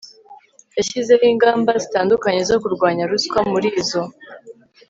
yashyizeho ingamba zitandukanye zo kurwanya ruswa Muri izo